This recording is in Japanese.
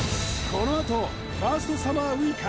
このあとファーストサマーウイカ